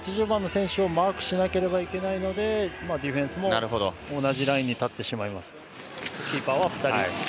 ８０番の選手をマークしなければいけないのでディフェンスも同じラインに立ってしまいます。